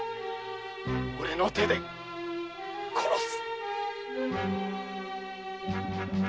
俺の手で殺す！